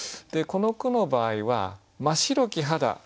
この句の場合は「ま白き肌」。